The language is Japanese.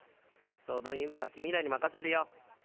その夢は君らに任せるよ。